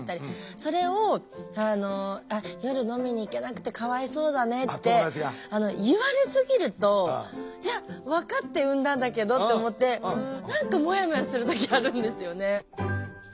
それをあの「夜飲みに行けなくてかわいそうだね」って言われすぎると「いや分かって産んだんだけど」って思って何かもやもやする時あるんですよね。